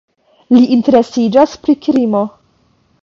Li interesiĝas pri krimo.